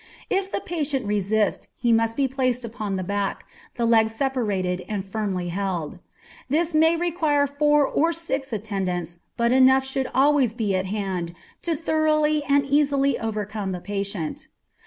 If the patient resist, he must be placed upon the back, the legs separated and firmly held. This may require four or six attendants, but enough should always be at hand to thoroughly and easily overcome the patient.